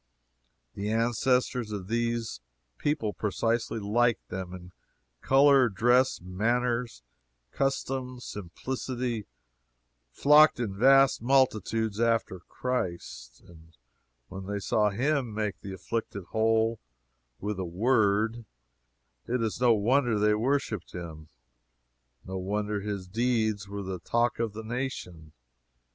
The ancestors of these people precisely like them in color, dress, manners, customs, simplicity flocked in vast multitudes after Christ, and when they saw Him make the afflicted whole with a word, it is no wonder they worshiped Him. No wonder His deeds were the talk of the nation.